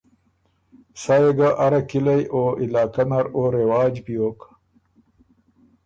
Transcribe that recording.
سَۀ يې ګه اره کِلئ او علاقۀ نر او رواج بیوک۔